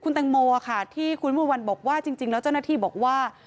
แตงโมค่ะที่คุณวิมวลวันบอกว่าจริงแล้วเจ้าหน้าที่บอกว่า